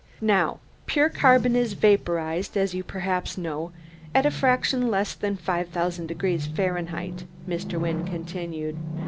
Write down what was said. "Now, pure carbon is vaporized, as you perhaps know, at a fraction less than five thousand degrees Fahrenheit," Mr. Wynne continued.